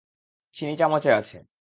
চিনি চামচে আছে।